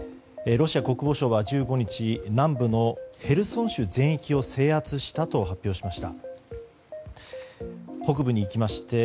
ロシア国防省は１５日南部のヘルソン州全域を制圧したと発表しました。